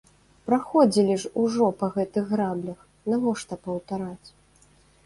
Праходзілі ж ужо па гэтых граблях, навошта паўтараць?